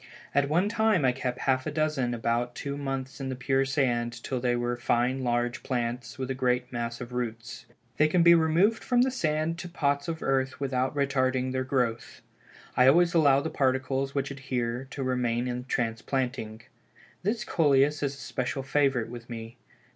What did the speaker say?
At one time I kept half a dozen about two months in the pure sand, till they were fine large plants, with a great mass of roots. They can be removed from the sand to pots of earth without retarding their growth. I always allow the particles which adhere to remain in transplanting. This Coleus is a special favorite with me.